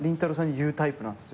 言うタイプなんすよ。